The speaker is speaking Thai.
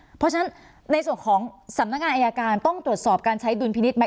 เพราะฉะนั้นในส่วนของสำนักงานอายการต้องตรวจสอบการใช้ดุลพินิษฐไหม